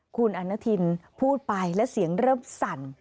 คุณอนุทินพูดไปและเสียงเริ่มสั่น